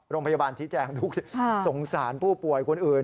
โรงพยาบาลชี้แจงด้วยสงสารผู้ป่วยคนอื่น